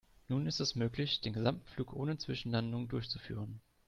Nun ist es möglich, den gesamten Flug ohne Zwischenlandungen durchzuführen.